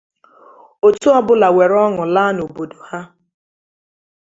otu ọbụla were ọñụ laa n’obodo ha